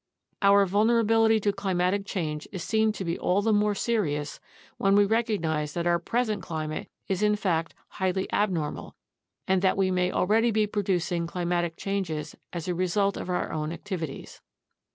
Our vulnerability to climatic change is seen to be all the more serious when we recognize that our present climate is in fact highly abnormal, and that we may already be producing climatic changes as a result of our own activities.